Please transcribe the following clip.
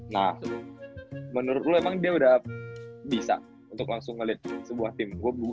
nah menurut lu emang dia udah bisa untuk langsung ngelit sebuah tim